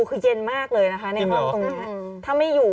กล้องกว้างอย่างเดียว